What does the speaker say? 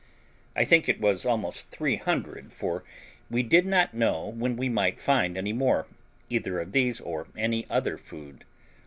I think it was almost three hundred, for we did not know when we might find any more, either of these or any other food.